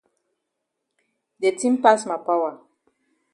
De tin pass ma power.